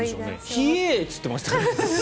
ひえー！って言ってましたよね。